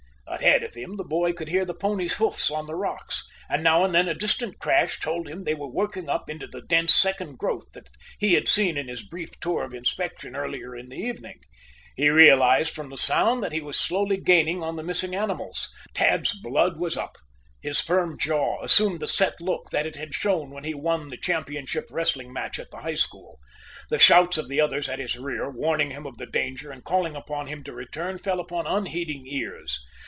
Ahead of him, the boy could hear the ponies' hoofs on the rocks, and now and then a distant crash told him they were working up into the dense second growth that he had seen in his brief tour of inspection earlier in the evening. He realized from the sound that he was slowly gaining on the missing animals. Tad's blood was up. His firm jaw assumed the set look that it had shown when he won the championship wrestling match at the high school. The shouts of the others at his rear, warning him of the danger and calling upon him to return, fell upon unheeding ears.